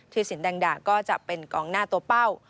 สินแดงดาก็จะเป็นกองหน้าตัวเป้า